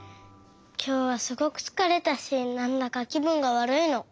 きょうはすごくつかれたしなんだかきぶんがわるいの。